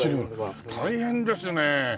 大変ですねえ。